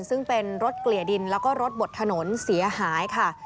ซึ่งเป็นรถเกลี่ยดินแล้วก็รถบดถนนเสียหายค่ะ